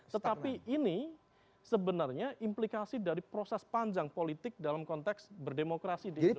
tetapi ini sebenarnya implikasi dari proses panjang politik dalam konteks berdemokrasi di indonesia